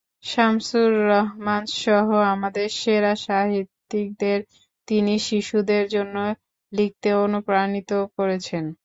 শামসুর রাহমানসহ আমাদের সেরা সাহিত্যিকদের তিনি শিশুদের জন্য লিখতে অনুপ্রাণিত করেছেন।